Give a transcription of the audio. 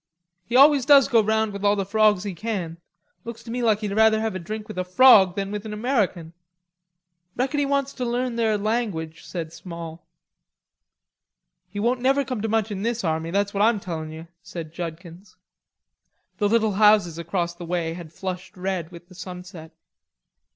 "He always does go round with the frogs all he can. Looks to me like he'd rather have a drink with a frog than with an American." "Reckon he wants to learn their language," said Small. "He won't never come to much in this army, that's what I'm telling yer," said Judkins. The little houses across the way had flushed red with the sunset.